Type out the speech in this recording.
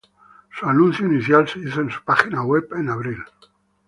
Su anuncio inicial se hizo en su página web en abril.